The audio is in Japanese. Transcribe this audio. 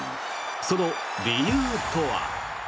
その理由とは。